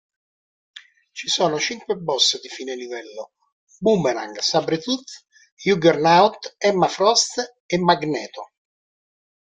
Ci sono cinque boss di fine livello: Boomerang, Sabretooth, Juggernaut, Emma Frost e Magneto.